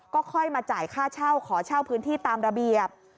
ก็ค่อยมาจ่ายค่าเช่าขอเช่าพื้นที่ตามระเบียบ